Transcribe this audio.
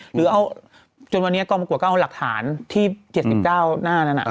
หรือเอาจนวันนี้กองประกวดก็เอาหลักฐานที่๗๙หน้านั้น